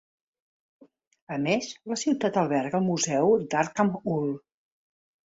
A més, la ciutat alberga el Museu de Darkhan-Uul.